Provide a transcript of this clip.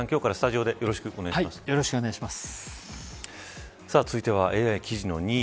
武井さん、今日からスタジオでよろしくお願いします。